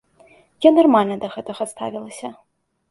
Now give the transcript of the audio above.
Я нармальна да гэтага ставілася.